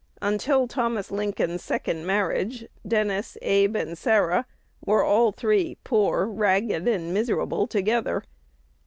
Until Thomas Lincoln's second marriage, Dennis, Abe, and Sarah were all three poor, ragged, and miserable together.